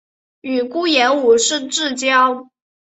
与顾炎武是至交。